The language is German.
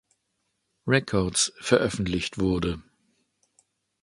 Records veröffentlicht wurde.